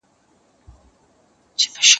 ما مخکي د سبا لپاره د نوي لغتونو يادونه کړې وه!